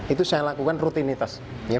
itu saya lakukan rutinitas